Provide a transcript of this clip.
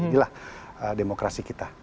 inilah demokrasi kita